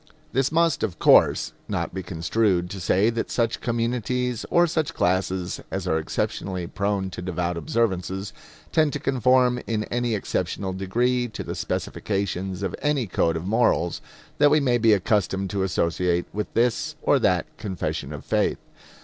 This must, of course, not be construed to say that such communities or such classes as are exceptionally prone to devout observances tend to conform in any exceptional degree to the specifications of any code of morals that we may be accustomed to associate with this or that confession of faith.